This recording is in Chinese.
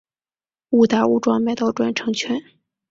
误打误撞买到转乘券